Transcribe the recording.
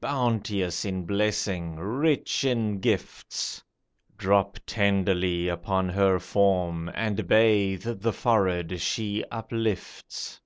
Bounteous in blessing, rich in gifts, Drop tenderly upon her form, And bathe the forehead she uplifts.